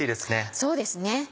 そうですね